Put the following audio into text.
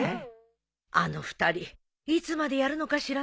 あの２人いつまでやるのかしらね。